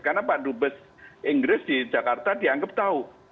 karena pak dupes inggris di jakarta dianggap tahu